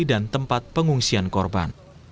dan tempat pengungsian korban